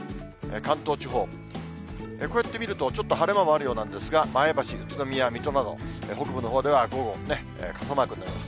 関東地方、こうやって見ると、ちょっと晴れ間もあるようなんですが、前橋、宇都宮、水戸など、北部のほうでは午後、傘マークになります。